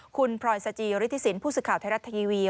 คุณพรอยสจิหริทธิศิลป์ผู้สึกข่าวไทยรัตน์ทีวี